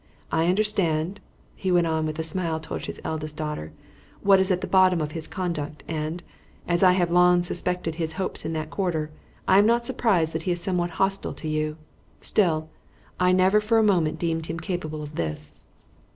I understand," he went on with a smile toward his eldest daughter, "what is at the bottom of his conduct, and, as I have long suspected his hopes in that quarter, I am not surprised that he is somewhat hostile to you. Still, I never for a moment deemed him capable of this."